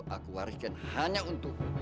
aku wariskan hanya untuk